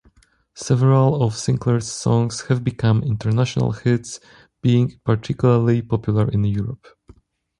Several of Sinclar's songs have become international hits, being particularly popular in Europe.